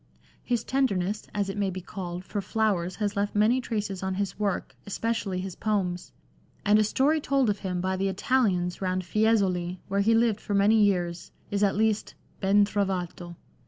His tenderness, as it may be called, for flowers has left many traces on his work, especially his poems, and a story told of him by the Italians round Fiesole, where he lived for many years, is at least ben trovato.